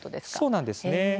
そうなんですね。